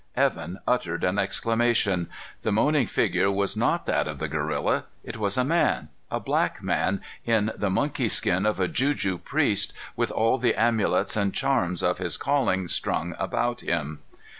Evan uttered an exclamation. The moaning figure was not that of the gorilla. It was a man, a black man, in the monkey skin of a juju priest, with all the amulets and charms of his calling strung about him.